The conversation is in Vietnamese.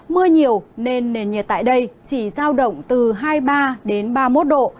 mưa nhiều nên nền nhiệt tại đây chỉ giao động từ hai mươi ba đến ba mươi một độ